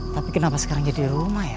tapi kenapa sekarang jadi rumah ya